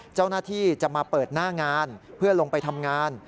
เจ้าหน้าที่จะมาเปิดหน้างานเพื่อลงไปทำงาน